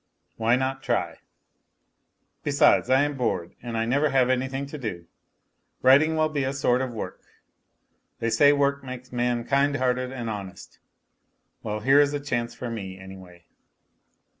Why not try ? Besides, I am bored, and I never have anything to do. Writing will be a sort of work. They say work makes man kind hearted and honest. Well, here is a chance for me, anyway.